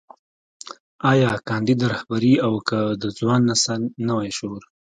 ايا کانديد رهبري او که د ځوان نسل نوی شعور.